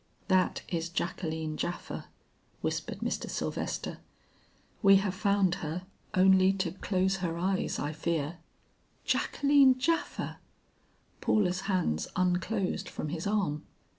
"That is Jacqueline Japha," whispered Mr. Sylvester. "We have found her, only to close her eyes, I fear." "Jacqueline Japha!" Paula's hands unclosed from his arm.